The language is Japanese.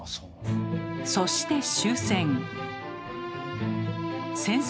そして終戦。